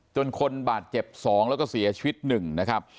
จนคนบาดเจ็บ๒แล้วก็เสียชีวิต๑นะครับ